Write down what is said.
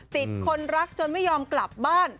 ติดคนรักจนไม่ยอมกลับบ้าน